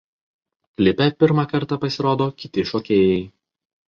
Klipe pirmą kartą pasirodo kiti šokėjai.